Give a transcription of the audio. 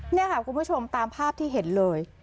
นี่ค่ะคุณผู้ชมตามภาพที่เห็นเลย